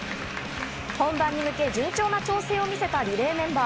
本番に向け、順調な調整を見せたリレーメンバー。